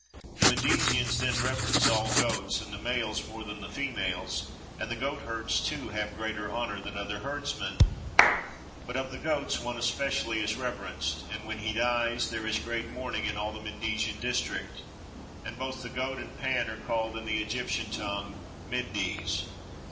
The Mendesians then reverence all goats and the males more than the females (and the goatherds too have greater honour than other herdsmen), but of the goats one especially is reverenced, and when he dies there is great mourning in all the Mendesian district: and both the goat and Pan are called in the Egyptian tongue Mendes.